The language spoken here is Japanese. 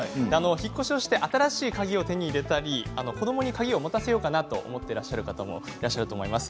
引っ越しをして新しい鍵を手に入れたり子どもに鍵を持たせようかなと思っている方もいらっしゃると思います。